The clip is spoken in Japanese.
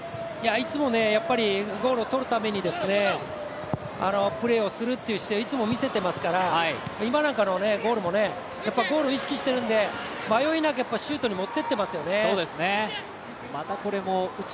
いつもゴールをとるためにプレーをするっていう姿勢はいつもみせてますから今なんかのゴールもやっぱり、ゴール意識してるんで迷いなくシュートに持っていってますよね。